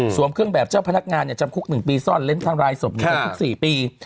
สวมเครื่องแบบเจ้าพนักงานจำคุก๑ปีซ่อนเล่นทางรายสมเหลือ๔ปี